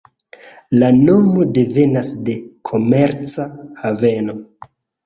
La nomo devenas de "komerca haveno.